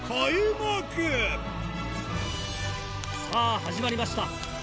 さぁ始まりました。